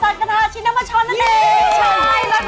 ใช้เราจะประดองเลย